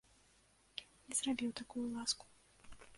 Не зрабіў такую ласку.